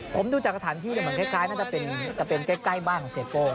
ผมดูจากกระถานที่เหมือนใกล้น่าจะเป็นใกล้บ้านของเซโก